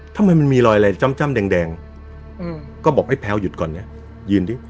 ทำไมมันมีรอยอะไรจ้ำแดงอืมก็บอกให้แพลวหยุดก่อนเนี้ยยืนดิ